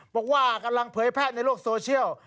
บอกว่ากำลังเผยแพร่ในโลกโซเชียล